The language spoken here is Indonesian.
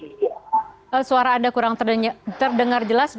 suara anda kurang terdengar jelas